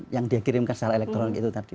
yang dia kirimkan secara elektronik itu tadi